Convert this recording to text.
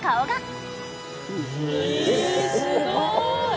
すごいな！